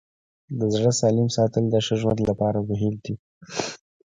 د زړه سالم ساتل د ښه ژوند لپاره مهم دي.